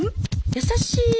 優しい。